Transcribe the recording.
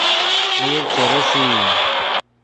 میر چے ریسئی